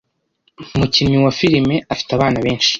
mukinnyi wa firime afite abafana benshi.